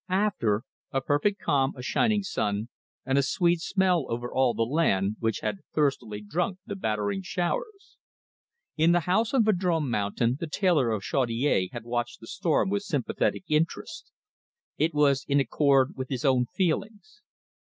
After, a perfect calm, a shining sun, and a sweet smell over all the land, which had thirstily drunk the battering showers. In the house on Vadrome Mountain the tailor of Chaudiere had watched the storm with sympathetic interest. It was in accord with his own feelings.